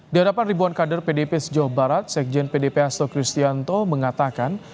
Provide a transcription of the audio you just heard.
di hadapan ribuan kader pdp di jawa barat sekjen pdp astro cristianto mengatakan